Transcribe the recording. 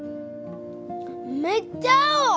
めっちゃ青！